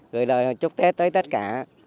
gửi lời chúc tết tới tất cả